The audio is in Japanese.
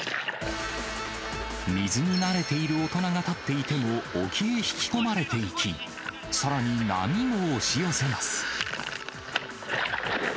水に慣れている大人が立っていても沖へ引き込まれていき、さらに、波も押し寄せます。